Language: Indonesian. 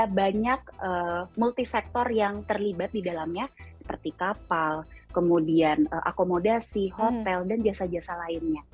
karena banyak multisektor yang terlibat di dalamnya seperti kapal kemudian akomodasi hotel dan jasa jasa lainnya